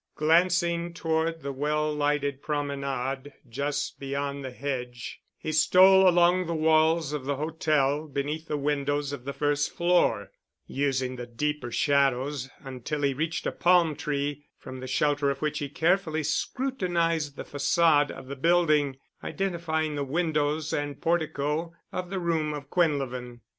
Glancing toward the well lighted promenade just beyond the hedge, he stole along the walls of the hotel beneath the windows of the first floor, using the deeper shadows, until he reached a palm tree, from the shelter of which he carefully scrutinized the façade of the building, identifying the windows and portico of the room of Quinlevin.